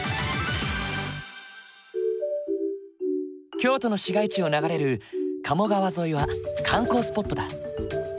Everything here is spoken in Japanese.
京都の市街地を流れる鴨川沿いは観光スポットだ。